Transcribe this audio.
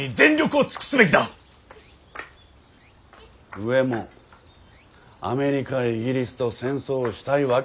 上もアメリカイギリスと戦争をしたいわけじゃない。